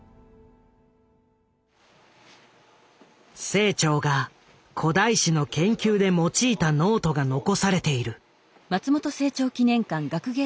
清張が古代史の研究で用いたノートが残されている。